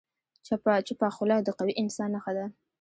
چپه خوله، د قوي انسان نښه ده.